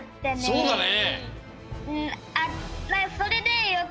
そうだよね。